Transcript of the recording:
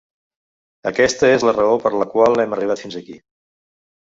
Aquesta és la raó per la qual hem arribat fins aquí.